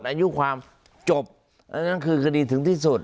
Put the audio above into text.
อายุความจบอันนั้นคือคดีถึงที่สุด